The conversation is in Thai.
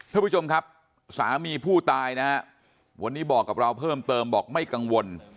ท่านผู้ชมครับสามีผู้ตายนะฮะวันนี้บอกกับเราเพิ่มเติมบอกไม่กังวล